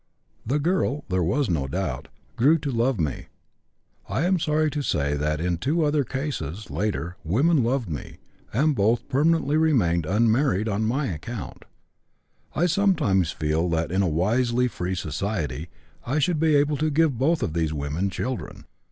The girl, there is no doubt, grew to love me. I am sorry to say that in two other cases, later, women loved me, and have both permanently remained unmarried on my account. I sometimes feel that in a wisely free society I should be able to give both of these women children.